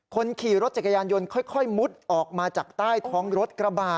คนขี่รถจักรยานยนต์ค่อยมุดออกมาจากใต้ท้องรถกระบะ